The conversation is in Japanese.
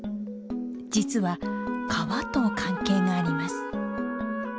実は川と関係があります。